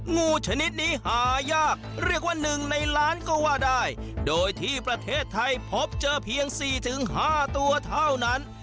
งูชนิดนี้หายากเรียกว่าหนึ่งในล้านก็ว่าได้โดยที่ประเทศไทยพบเจอเพียงสี่ถึงห้าตัวเท่านั้น